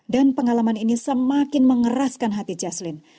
dan pengalaman ini semakin mengeraskan hati jaseline